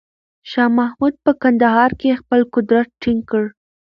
شاه محمود په کندهار کې خپل قدرت ټینګ کړ.